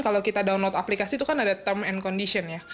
kalau kita download aplikasi itu kan ada term and condition ya